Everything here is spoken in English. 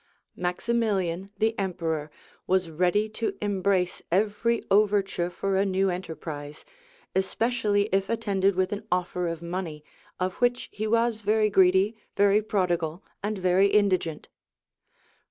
[*] Maximilian, the emperor, was ready to embrace every overture for a new enterprise; especially if attended with an offer of money, of which he was very greedy, very prodigal, and very indigent.